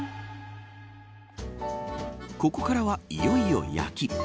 ここからは、いよいよ焼き。